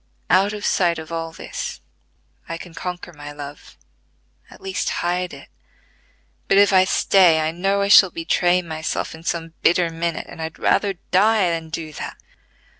Out of sight of all this, I can conquer my love, at least hide it; but if I stay I know I shall betray myself in some bitter minute, and I'd rather die than do that."